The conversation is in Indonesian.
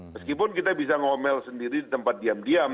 meskipun kita bisa ngomel sendiri di tempat diam diam